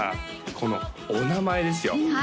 このお名前ですよ